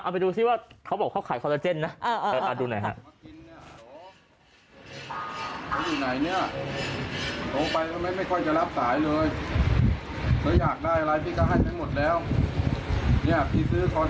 เออเอาไปดูสิว่าเขาบอกเขาขายคอลลาเจนนะเออเออเออเออเออเออเออ